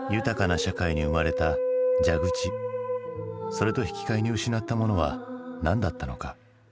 それと引き換えに失ったものは何だったのか？